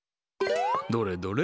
どれどれ？